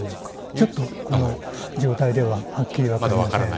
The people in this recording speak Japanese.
ちょっとこの状態でははっきり分かりません。